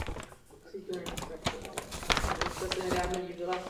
Další tvorbu ovlivnil Šalda a stylově impresionismus.